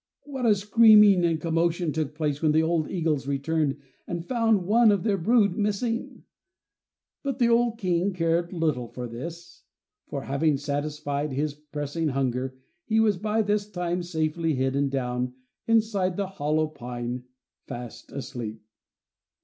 What a screaming and commotion took place when the old eagles returned and found one of their brood missing; but the old King cared little for this, for, having satisfied his pressing hunger, he was by this time safely hidden down inside the hollow pine, fast asleep.